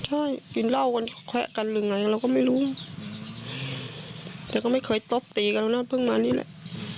ใช่กินเหล้ากันแคะกันหรือไงเราก็ไม่รู้แต่ก็ไม่เคยตบตีกันตรงนั้นเพิ่งมานี่แหละ